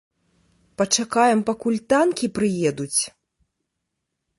Пачакаем пакуль танкі прыедуць???